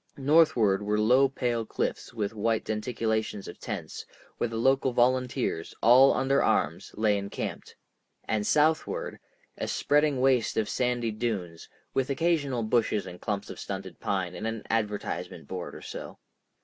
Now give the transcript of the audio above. Northward were low pale cliffs with white denticulations of tents, where the local volunteers, all under arms, lay encamped, and southward, a spreading waste of sandy dunes, with occasional bushes and clumps of stunted pine and an advertisement board or so.